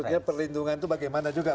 artinya perlindungan itu bagaimana juga